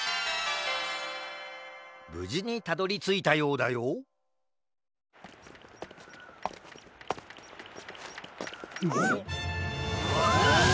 ぶじにたどりついたようだよあっあっ！